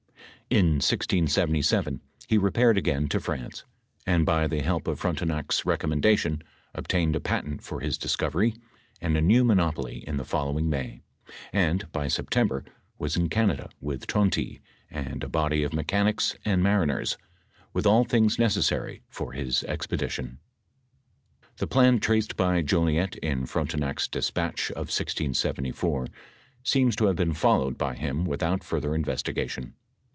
In 1677, he repaired again to France, and by the help of Frontenac*s recommendation, obtained a patent for his dis covery, and a new monopoly in the following May, and by September was in Canada with Tonty and a body of ma chanicB and mariners, with all things necessary for his expe dition. The plan traced by Jolliet in Frontenac's despatch of 1674, seems to have been followed by him without further investigation.